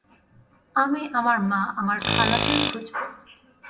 আমি আমার মা আর আমার খালা দের খুজব।